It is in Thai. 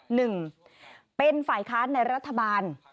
หนึ่งเป็นฝ่ายค้านในรัฐบาล